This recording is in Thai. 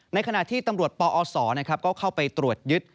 ในขณะที่ตำรวจปอศก็เข้าไปตรวจยึด